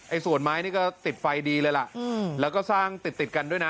ส่วนไม้นี่ก็ติดไฟดีเลยล่ะแล้วก็สร้างติดติดกันด้วยนะ